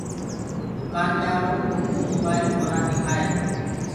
دُڪآنيآݪو اوپو موبآئل ڪونآ دِڪآئي۔